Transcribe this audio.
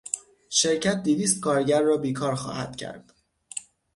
شرکت دویست کارگر را بیکار خواهد کرد.